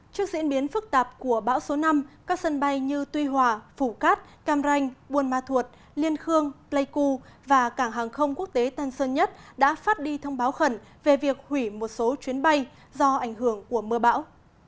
trước diễn biến phức tạp của bão số năm các sân bay như tuy hòa phủ cát cam ranh buôn ma thuột liên khương pleiku và cảng hàng không quốc tế tân sơn nhất đã phát đi thông báo khẩn về việc hủy một số chuyến bay do ảnh hưởng của mưa bão